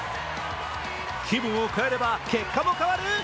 気分を変れば結果も変わる。